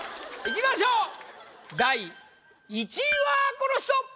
いきましょう第１位はこの人！